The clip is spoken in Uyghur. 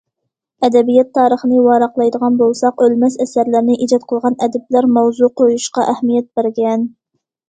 ئەدەبىيات تارىخىنى ۋاراقلايدىغان بولساق، ئۆلمەس ئەسەرلەرنى ئىجاد قىلغان ئەدىبلەر ماۋزۇ قويۇشقا ئەھمىيەت بەرگەن.